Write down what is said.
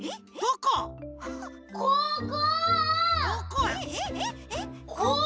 ここ？